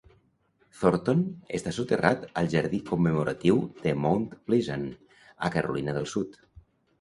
Thornton està soterrat al jardí commemoratiu de Mount Pleasant, a Carolina del sud.